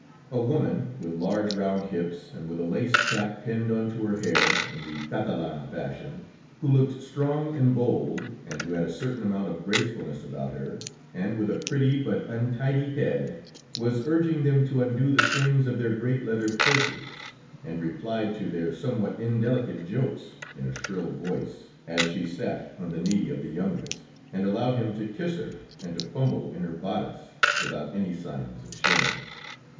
A woman with large round hips, and with a lace cap pinned onto her hair, in the Catalan fashion, who looked strong and bold, and who had a certain amount of gracefulness about her, and with a pretty, but untidy head, was urging them to undo the strings of their great leather purses, and replied to their somewhat indelicate jokes in a shrill voice, as she sat on the knee of the youngest, and allowed him to kiss her and to fumble in her bodice, without any signs of shame.